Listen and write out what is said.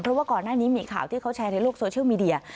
เพราะว่าก่อนหน้านี้มีข่าวที่เขาแชร์ในโลกโซเชียลมีเดีย